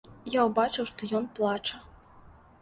Я ўбачыў, што ён плача.